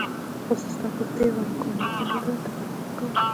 خو زه ستا پر تېر باندې کومه نیوکه نه لرم، ته پروا مه کوه.